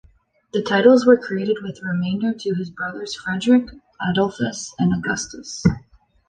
The titles were created with remainder to his brothers Frederick, Adolphus and Augustus.